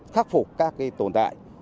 khắc phục các tồn tại